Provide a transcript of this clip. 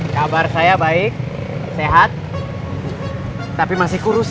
kabar saya baik sehat tapi masih kurus